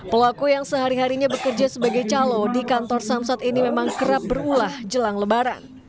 pelaku yang sehari harinya bekerja sebagai calo di kantor samsat ini memang kerap berulah jelang lebaran